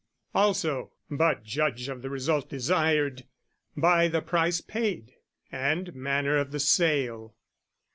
Also, but judge of the result desired, By the price paid and manner of the sale.